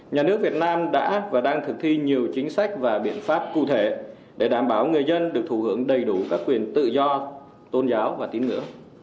nhà nước việt nam đã và đang thực thi nhiều chính sách và biện pháp cụ thể để đảm bảo người dân được thủ hưởng đầy đủ các quyền tự do tôn giáo và tín ngưỡng